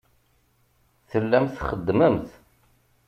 Tellamt txeddmemt.